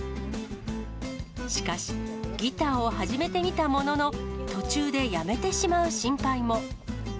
しかし、ギターを始めてみたものの、途中でやめてしまう心配も。